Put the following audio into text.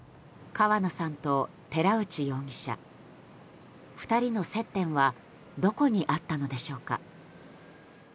川野さんと寺内容疑者２人の接点はどこにあったのでしょうか。